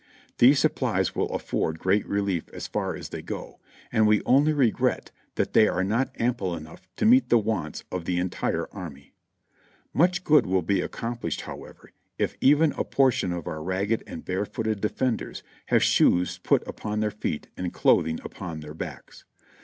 These supplies will afford great relief as far as they go, and we only regret that they are not ample enough to meet the wants of the entire army. Much good will be accomplished, however, if even a portion of our ragged and barefooted defenders have shoes put upon their feet and clothing upon their backs.